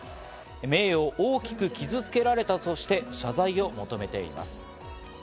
名誉を大きく傷付けられたとして謝罪を求めています。